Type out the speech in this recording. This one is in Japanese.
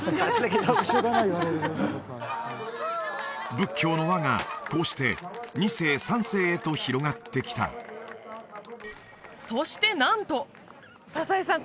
仏教の輪がこうして２世３世へと広がってきたそしてなんと佐々井さん